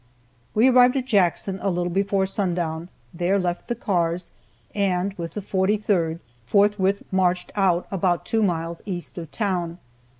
We arrived at Jackson a little before sundown, there left the cars, and, with the 43rd, forthwith marched out about two miles east of town.